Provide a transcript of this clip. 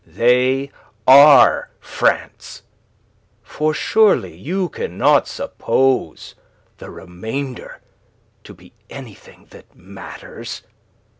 They are France. For surely you cannot suppose the remainder to be anything that matters.